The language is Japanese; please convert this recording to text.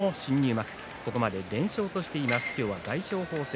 豪ノ山も新入幕ここまで、連勝としています。